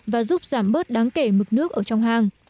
và giúp giảm bớt đáng kể mực nước ở trong hang